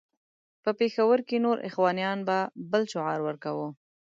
په پېښور کې نور اخوانیان به بل شعار ورکاوه.